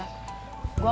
lagian lo tenang aja